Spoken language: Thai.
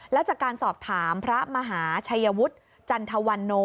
และจากการสอบถามพระมหาชัยวุฒิจันทวันโน